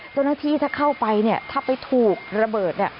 เจ้าหน้าที่ถ้าเข้าไปเนี่ยถ้าไปถูกระเบิดเนี่ย